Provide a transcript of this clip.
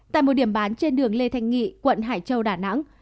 tại một điểm bán trên đường lê thanh nghị quận hải châu đà nẵng